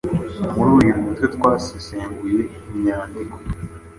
Muri uyu mutwe twasesenguye imyandiko